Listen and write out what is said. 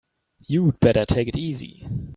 You'd better take it easy.